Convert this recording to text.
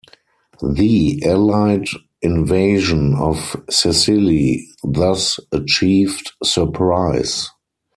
The Allied invasion of Sicily thus achieved surprise.